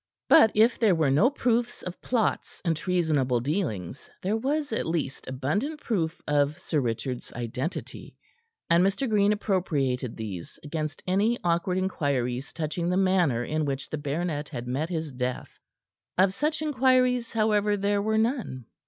But if there were no proofs of plots and treasonable dealings, there was, at least, abundant proof of Sir Richard's identity, and Mr. Green appropriated these against any awkward inquiries touching the manner in which the baronet had met his death. Of such inquiries, however, there were none.